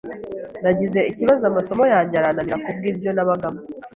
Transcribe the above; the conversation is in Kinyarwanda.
Nagize ikibazo amasomo yanjye arananira kubw’ibyo nabagamo,